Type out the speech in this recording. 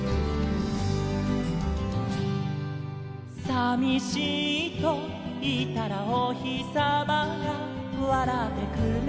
「さみしいといったらおひさまがわらってくれた」